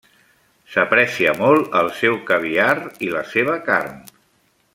S'aprecia molt el seu caviar i la seva carn.